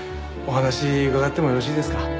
お話伺ってもよろしいですか？